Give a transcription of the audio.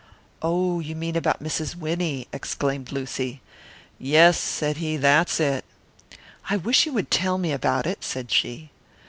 "Oh, you mean about Mrs. Winnie!" exclaimed Lucy. "Yes," said he, "that's it." "I wish you would tell me about it," said she.